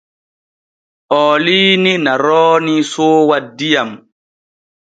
Ooliini na roonii soowa diyam.